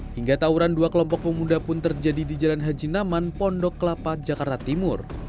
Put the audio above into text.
hingga tawuran dua kelompok pemuda pun terjadi di jalan haji naman pondok kelapa jakarta timur